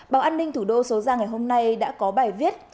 báo an ninh thủ đô số ra ngày hôm nay đã có bài viết